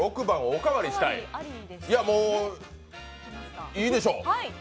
もういいでしょう。